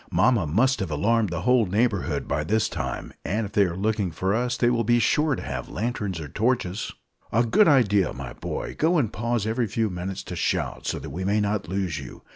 Mamma must have alarmed the whole neighbourhood by this time; and if they are looking for us, they will be sure to have lanterns or torches." "A good idea, my boy. Go, and pause every few minutes to shout, so that we may not lose you.